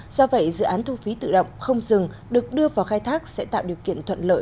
do vậy dự án thu phí tự động không dừng được đưa vào khai thác sẽ tạo điều kiện thuận lợi